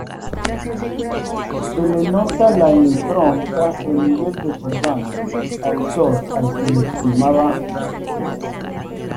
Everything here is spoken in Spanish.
Se le nota la impronta de Miguel de Cervantes, autor al que estimaba mucho.